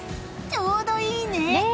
ちょうどいいね。